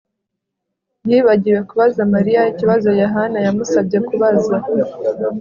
yibagiwe kubaza Mariya ikibazo Yohana yamusabye kubaza